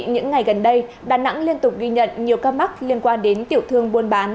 những ngày gần đây đà nẵng liên tục ghi nhận nhiều ca mắc liên quan đến tiểu thương buôn bán